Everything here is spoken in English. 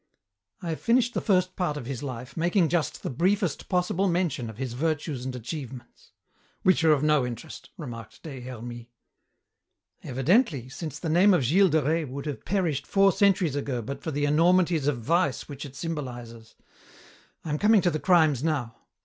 "I have finished the first part of his life, making just the briefest possible mention of his virtues and achievements." "Which are of no interest," remarked Des Hermies. "Evidently, since the name of Gilles de Rais would have perished four centuries ago but for the enormities of vice which it symbolizes. I am coming to the crimes now.